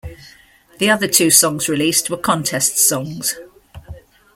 The other two songs released were contest songs.